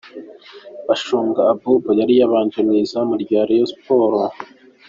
Bashunga Abouba yari yabanje mu izamu rya Rayon Sports.